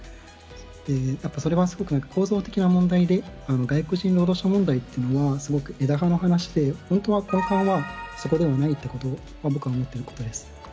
やっぱそれはすごく構造的な問題で、外国人労働者問題っていうのは、すごく枝葉の話で、本当は、根幹はそこではないことを僕は思っています。